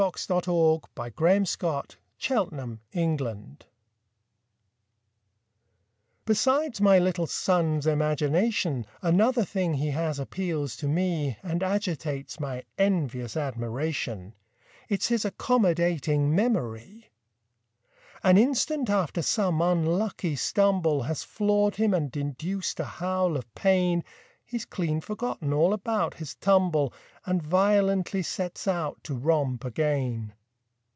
HIS MEMORY Besides my little son's imagination, Another thing he has appeals to me And agitates my envious admiration It's his accommodating memory. An instant after some unlucky stumble Has floored him and induced a howl of pain, He's clean forgotten all about his tumble And violently sets out to romp again.